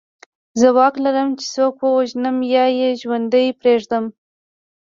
زه واک لرم چې څوک ووژنم یا یې ژوندی پرېږدم